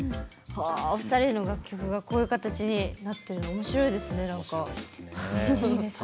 お二人の楽曲が、こういう形になってるのおもしろいですね。